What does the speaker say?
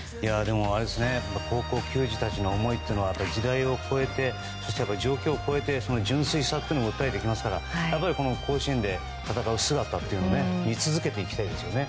高校球児の思いというのは時代を超えて状況を超えて純粋さを訴えてきますからやっぱり甲子園で戦う姿を見続けていきたいですよね。